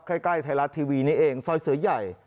ใกล้ไทยรัฐทีวีนี้เองซอยเสือใหญ่